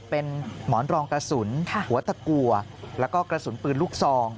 เป็นหมอนรองกระสุนหัวตะกัวแล้วก็กระสุนปืนลูกซอง